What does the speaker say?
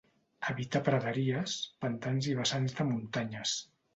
Habita praderies, pantans i vessants de muntanyes.